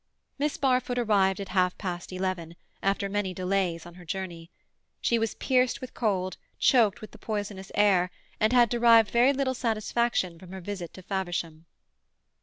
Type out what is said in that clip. Miss Barfoot arrived at half past eleven, after many delays on her journey. She was pierced with cold, choked with the poisonous air, and had derived very little satisfaction from her visit to Faversham.